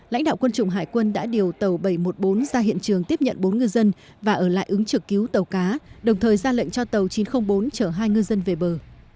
lãnh đạo quân chủng hải quân đã điều tàu bảy trăm một mươi bốn ra hiện trường tiếp nhận bốn ngư dân và ở lại ứng trực cứu tàu cá đồng thời ra lệnh cho tàu chín trăm linh bốn chở hai ngư dân về bờ